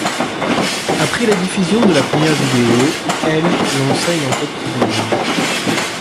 Après la diffusion de la première vidéo, l’' lança une enquête criminelle.